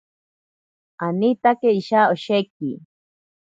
Anitake isha osheki.